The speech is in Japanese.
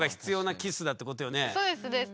そうですです。